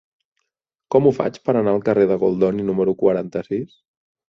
Com ho faig per anar al carrer de Goldoni número quaranta-sis?